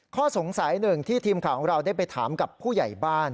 ข้อสงสัยหนึ่งที่ทีมข่าวของเราได้ไปถามกับผู้ใหญ่บ้าน